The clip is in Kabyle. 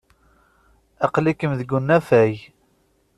Aql-ikem deg unafag.